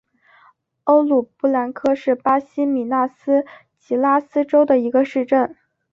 欧鲁布兰科是巴西米纳斯吉拉斯州的一个市镇。